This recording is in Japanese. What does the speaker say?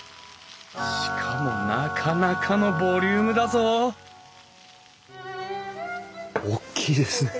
しかもなかなかのボリュームだぞ大きいですね。